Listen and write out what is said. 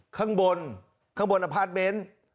ข้างบนข้างบนอพาร์ทเมนต์